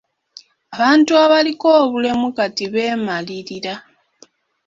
Abantu abaliko obulemu kati beemalirira.